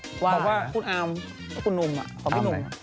บอกว่าบอกว่าคุณอาร์มคุณหนุ่มอ่ะของพี่หนุ่ม